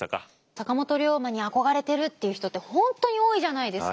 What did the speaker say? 坂本龍馬に憧れてるっていう人って本当に多いじゃないですか。